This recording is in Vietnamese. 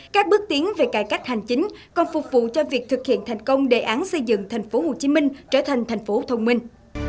các bước tiến về cải cách hành chính còn phục vụ cho việc thực hiện thành công đề án xây dựng tp hcm trở thành thành phố thông minh